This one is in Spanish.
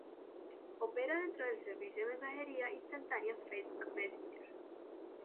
Opera dentro del servicio de mensajería instantánea Facebook Messenger.